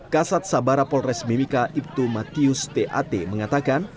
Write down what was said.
kasat sabara polres mimika ibtu matius t a t mengatakan